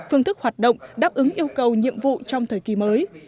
phương thức hoạt động đáp ứng yêu cầu nhiệm vụ trong thời kỳ mới